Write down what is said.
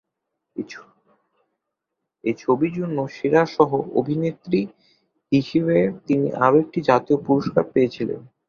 এই ছবির জন্য সেরা সহ অভিনেত্রী হিসাবে তিনি আরও একটি জাতীয় পুরস্কার পেয়েছিলেন।